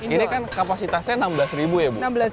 ini kan kapasitasnya enam belas ribu ya